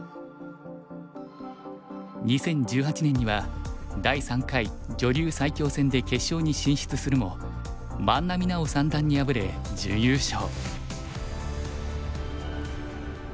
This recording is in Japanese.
２０１８年には第３回女流最強戦で決勝に進出するも万波奈穂三段に敗れ準優勝。